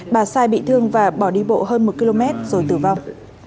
bà sai bị thương và bỏ đi bộ hơn một km rồi tử vong